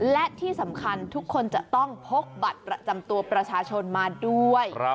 และที่สำคัญทุกคนจะต้องพกบัตรประจำตัวประชาชนมาด้วย